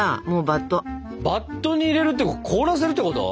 バットに入れるって凍らせるってこと？